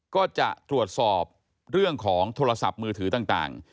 ก็จะตรวจสอบเรื่องของโทรศัพท์มือถือต่าง